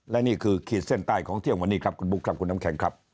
และนี่คือขีดเส้นใต้ของเที่ยงวันนี้ครับคุณบุ๊คครับคุณน้ำแข็งครับ